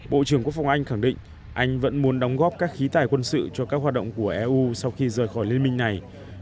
bộ trưởng quốc phòng anh khẳng định anh vẫn muốn đóng góp các khí tài quân sự cho các hoạt động của eu sau khi rời khỏi liên minh này